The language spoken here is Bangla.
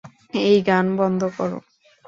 এই, গান বন্ধ কর!